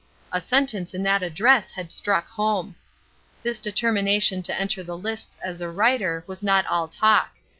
A sentence in that address had struck home. This determination to enter the lists as a writer was not all talk.